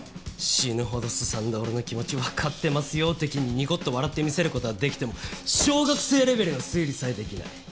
死ぬほどすさんだ俺の気持ちわかってますよ的にニコッと笑ってみせる事はできても小学生レベルの推理さえできない。